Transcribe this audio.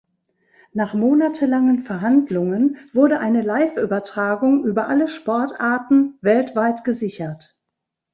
Nach monatelangen Verhandlungen wurde eine Live-Übertragung über alle Sportarten weltweit gesichert.